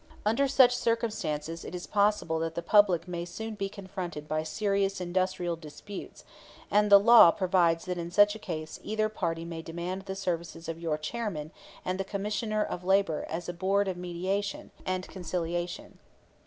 "Under such circumstances it is possible that the public may soon be confronted by serious industrial disputes, and the law provides that in such case either party may demand the services of your Chairman and of the Commissioner of Labor as a Board of Mediation and Conciliation.